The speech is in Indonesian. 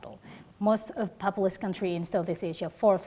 dari anak anak di indonesia